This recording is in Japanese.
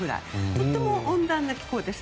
とても温暖な気候です。